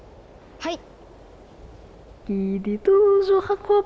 はい。